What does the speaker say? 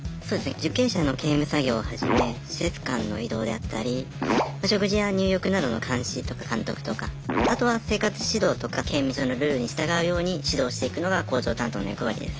受刑者の刑務作業はじめ施設間の移動であったり食事や入浴などの監視とか監督とかあとは生活指導とか刑務所のルールに従うように指導していくのが工場担当の役割です。